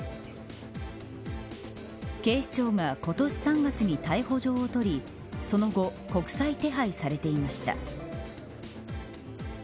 警視庁が今年３月に逮捕状を取りその後国際手配されていました。